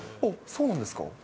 そうなんですか。